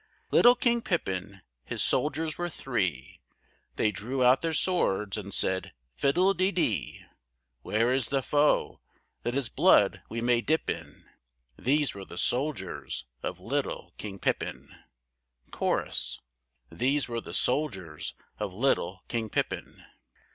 Little King Pippin, his soldiers were three; They drew out their swords and said "Fiddle de dee! Where is the foe, that his blood we may dip in?" These were the soldiers of little King Pippin. Cho.—These were the soldiers of little King Pippin.